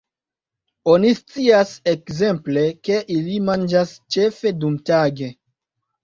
Oni scias ekzemple, ke ili manĝas ĉefe dumtage.